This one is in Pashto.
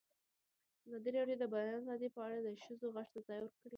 ازادي راډیو د د بیان آزادي په اړه د ښځو غږ ته ځای ورکړی.